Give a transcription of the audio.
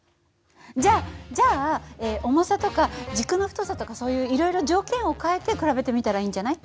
じゃじゃあ重さとか軸の太さとかそういういろいろ条件を変えて比べてみたらいいんじゃない？